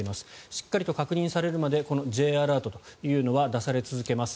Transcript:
しっかりと確認されるまでこのＪアラートというのは出され続けます。